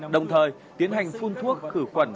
đồng thời tiến hành phun thuốc khử quẩn